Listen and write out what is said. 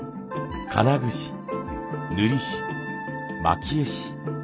金具師塗師蒔絵師。